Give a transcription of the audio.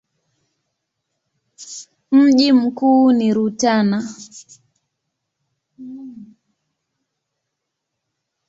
Mji mkuu ni Rutana.